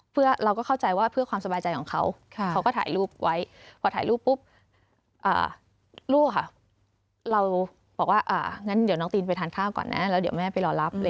เพื่อเราก็เข้าใจว่าเพื่อความสบายใจของเขาเขาก็ถ่ายรูปไว้พอถ่ายรูปปุ๊บลูกค่ะเราบอกว่างั้นเดี๋ยวน้องตีนไปทานข้าวก่อนนะแล้วเดี๋ยวแม่ไปรอรับ